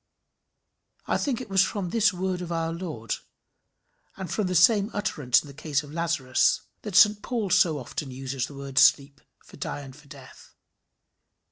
I think it was from this word of our Lord, and from the same utterance in the case of Lazarus, that St Paul so often uses the word sleep for die and for death.